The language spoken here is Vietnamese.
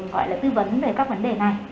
gọi là tư vấn về các vấn đề này